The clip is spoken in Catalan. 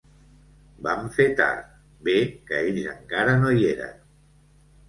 Vam fer tard, bé que ells encara no hi eren.